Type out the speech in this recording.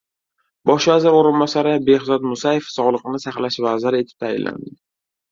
Bosh vazir o‘rinbosari Behzod Musayev sog‘liqni saqlash vaziri etib tayinlandi